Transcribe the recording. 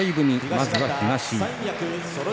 まずは東。